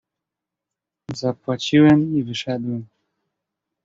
"Zapłaciłem i wyszedłem."